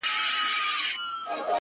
مسافر مه وژنې خاونده!!